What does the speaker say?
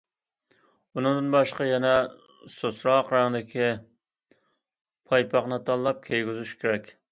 ئۇنىڭدىن باشقا يەنە سۇسراق رەڭدىكى پايپاقنى تاللاپ كىيگۈزۈش كېرەك.